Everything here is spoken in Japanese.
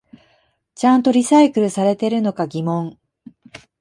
ちゃんとリサイクルされてるのか疑問